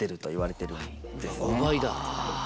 ５倍だ。